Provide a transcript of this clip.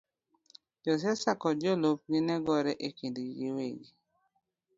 Josiasa kod jolupgi ne gore e kindgi giwegi,